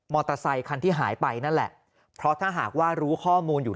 อเตอร์ไซคันที่หายไปนั่นแหละเพราะถ้าหากว่ารู้ข้อมูลอยู่